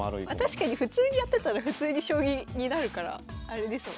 確かに普通にやってたら普通に将棋になるからあれですもんね